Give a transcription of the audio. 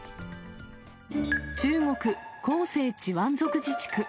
中国・広西チワン族自治区。